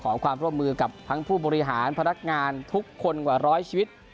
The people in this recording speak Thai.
ขอความร่วมมือกับทั้งผู้บริหารพนักงานทุกคนกว่าร้อยชีวิต